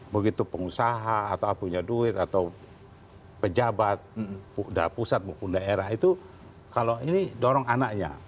begitu pengusaha atau punya duit atau pejabat pusat maupun daerah itu kalau ini dorong anaknya